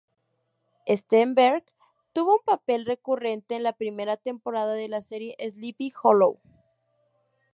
Stenberg tuvo un papel recurrente en la primera temporada de la serie "Sleepy Hollow".